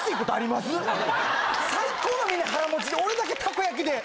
最高のみんな腹持ちで俺だけタコ焼きで。